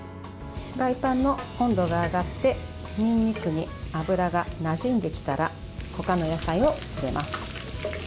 フライパンの温度が上がってにんにくに油がなじんできたら他の野菜を入れます。